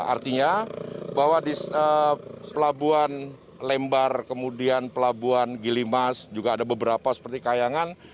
artinya bahwa di pelabuhan lembar kemudian pelabuhan gilimas juga ada beberapa seperti kayangan